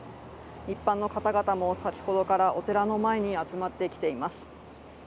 一般の方々も先ほどからお寺の前に集まってきています。